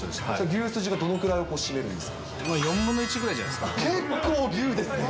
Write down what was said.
牛すじがどのくらいを占める結構牛ですね。